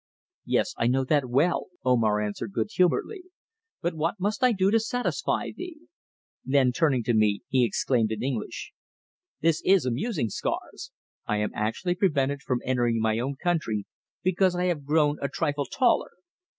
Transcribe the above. "Yes, I know that well," Omar answered good humouredly. "But what must I do to satisfy thee?" Then turning to me, he exclaimed in English, "This is amusing, Scars. I am actually prevented from entering my own country because I have grown a trifle taller!"